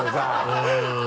うん。